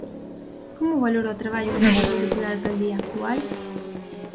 Como valora o traballo desenvolvido pola alcaldía actual?